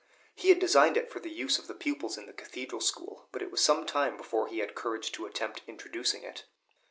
He had designed it for the use of the pupils in the Cathedral school, but it was some time before he had courage to attempt introducing it.